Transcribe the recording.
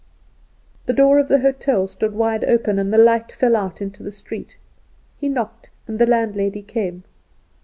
The door of the hotel stood wide open, and the light fell out into the street. He knocked, and the landlady came.